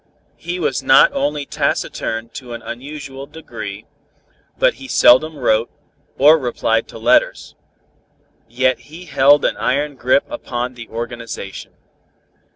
He was not only taciturn to an unusual degree, but he seldom wrote, or replied to letters. Yet he held an iron grip upon the organization.